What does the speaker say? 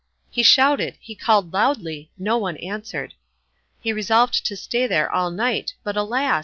He shouted he called loudly no one answered. He resolved to stay there all night, but alas!